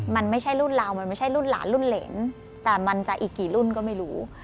มันไม่ใช่รุ่นเรามันไม่ใช่รุ่นหลานรุ่นเหรนแต่มันจะอีกกี่รุ่นก็ไม่รู้